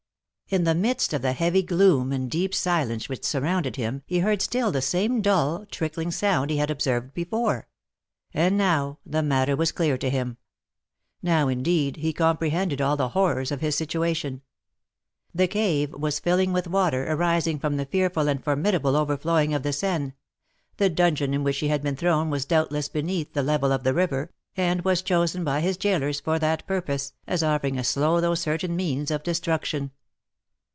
In the midst of the heavy gloom and deep silence which surrounded him, he heard still the same dull, trickling sound he had observed before; and now the matter was clear to him. Now, indeed, he comprehended all the horrors of his situation: the cave was filling with water, arising from the fearful and formidable overflowing of the Seine, the dungeon in which he had been thrown was doubtless beneath the level of the river, and was chosen by his gaolers for that purpose, as offering a slow though certain means of destruction.